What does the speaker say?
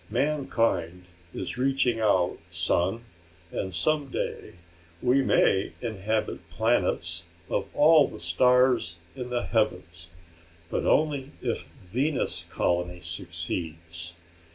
Mankind is reaching out, son, and some day we may inhabit planets of all the stars in the heavens. But only if Venus colony succeeds.